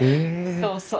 そうそう。